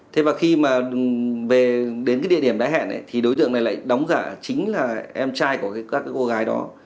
thế và khi mà về đến cái địa điểm đáy hẹn thì đối tượng này lại đóng giả chính là em trai của các cô gái đó